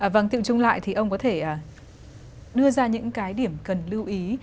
vâng tiệu chung lại thì ông có thể đưa ra những cái điểm cần lưu ý